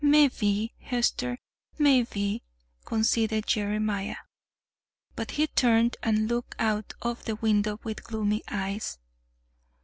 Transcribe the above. "Mebbe, Hester, mebbe," conceded Jeremiah; but he turned and looked out of the window with gloomy eyes.